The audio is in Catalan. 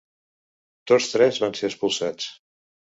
Tots tres van ser expulsats.